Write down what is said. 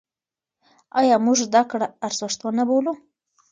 ایا موږ زده کړه ارزښتمنه بولو؟